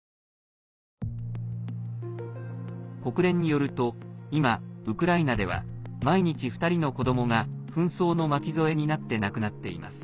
国連によると今、ウクライナでは毎日２人の子どもが紛争の巻きぞえになって亡くなっています。